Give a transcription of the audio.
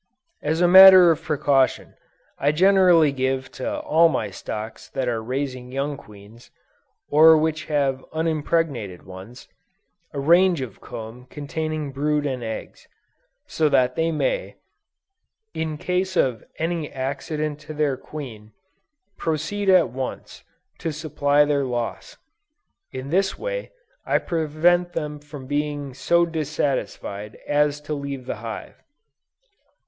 As a matter of precaution, I generally give to all my stocks that are raising young queens, or which have unimpregnated ones, a range of comb containing brood and eggs, so that they may, in case of any accident to their queen, proceed at once, to supply their loss. In this way, I prevent them from being so dissatisfied as to leave the hive.